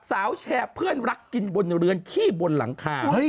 สาวแชร์เพื่อนรักกินบนเรือนขี้บนหลังคา